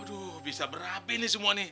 aduh bisa berapi ini semua nih